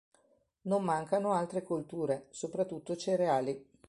Non mancano altre colture, soprattutto cereali.